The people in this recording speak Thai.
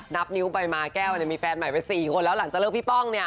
นับนิ้วไปมาแก้วเนี่ยมีแฟนใหม่ไป๔คนแล้วหลังจากเลิกพี่ป้องเนี่ย